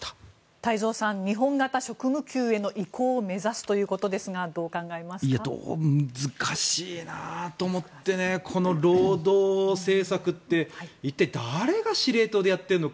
太蔵さん日本型職務給への移行を目指すということですがどうも難しいなと思ってこの労働政策って一体誰が司令塔でやってるのか。